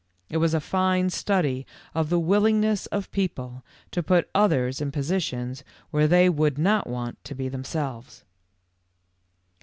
It was a fine study of the willingness of people to put others in positions where they would not want to be themselves.